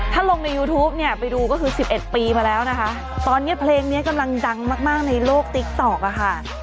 ถ้าลงในยูทูปเนี่ยไปดูก็คือ๑๑ปีมาแล้วนะคะตอนนี้เพลงนี้กำลังดังมากมากในโลกติ๊กต๊อกอะค่ะ